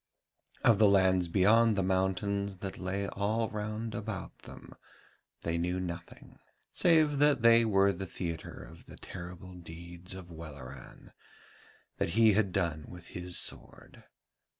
Of the lands beyond the mountains that lay all round about them they knew nothing, save that they were the theatre of the terrible deeds of Welleran, that he had done with his sword.